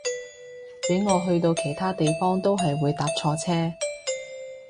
俾我去到其他地方都係會搭錯車